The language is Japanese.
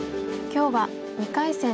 今日は２回戦